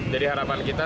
jadi harapan kita